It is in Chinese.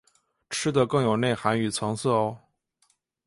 吃的更有内涵与层次喔！